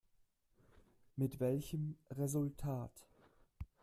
Mit welchem Resultat?